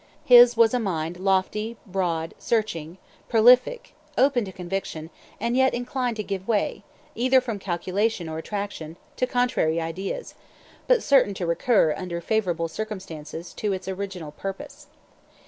His was a mind lofty, broad, searching, prolific, open to conviction, and yet inclined to give way, either from calculation or attraction, to contrary ideas, but certain to recur, under favorable circumstances, to its original purpose.